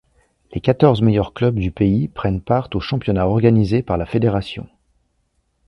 Les quatorze meilleurs clubs du pays prennent part au championnat organisé par la fédération.